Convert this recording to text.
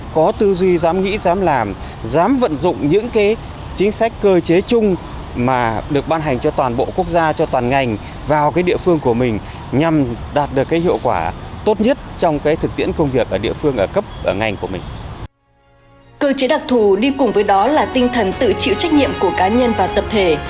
cơ chế đặc thù đi cùng với đó là tinh thần tự chịu trách nhiệm của cá nhân và tập thể